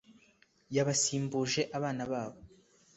yabasimbuje abana babo